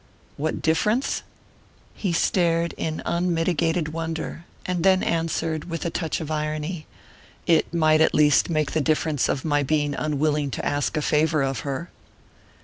"What difference?" He stared in unmitigated wonder, and then answered, with a touch of irony: "It might at least make the difference of my being unwilling to ask a favour of her."